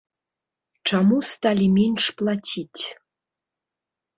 Чаму сталі менш плаціць?